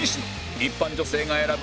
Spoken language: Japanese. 一般女性が選ぶ